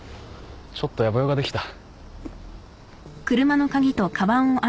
ちょっとやぼ用ができた。